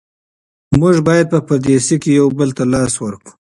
موږ باید په پردیسۍ کې یو بل ته لاس ورکړو.